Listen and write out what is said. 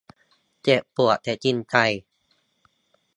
เจ็บปวดแต่จริงใจ